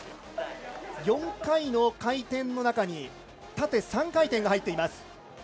４回の回転の中に縦３回転が入っています。